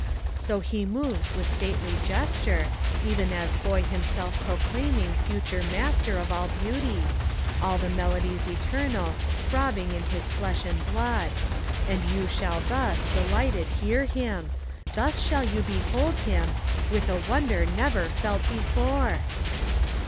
So he moves with stately gesture, even as boy himself proclaiming Future Master of all Beauty, all the melodies eternal Throbbing in his flesh and blood ; and you shall thus, delighted, hear him, — Thus shall you behold him, with a wonder never felt before!